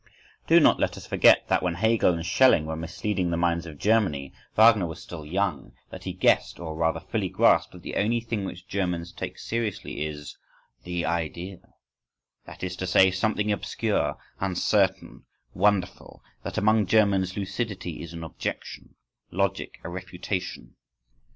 Do not let us forget that, when Hegel and Schelling were misleading the minds of Germany, Wagner was still young: that he guessed, or rather fully grasped, that the only thing which Germans take seriously is—"the idea,"—that is to say, something obscure, uncertain, wonderful; that among Germans lucidity is an objection, logic a refutation.